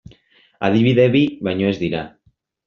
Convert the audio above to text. Adibide bi baino ez dira.